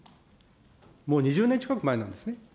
もう２０年近く前なんですね。